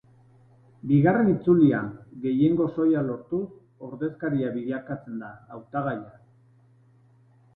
Bigarren itzulian gehiengo soila lortuz ordezkaria bilakatzen da hautagaia.